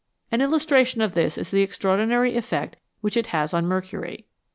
An illustration of this is the extraordinary effect which it has on mercury.